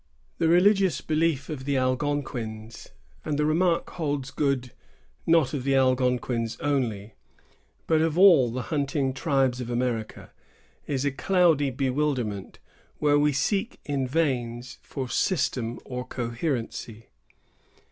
The religious belief of the Algonquins——and the remark holds good, not of the Algonquins only, but of all the hunting tribes of America——is a cloudy bewilderment, where we seek in vain for system or coherency.